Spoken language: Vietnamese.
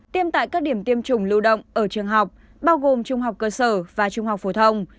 tiêm tại các điểm tiêm chủng lưu động ở trường học bao gồm trung học cơ sở và trung học phổ thông